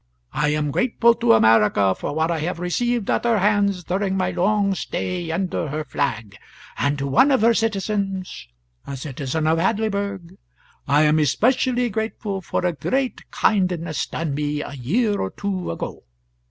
I am grateful to America for what I have received at her hands during my long stay under her flag; and to one of her citizens a citizen of Hadleyburg I am especially grateful for a great kindness done me a year or two ago.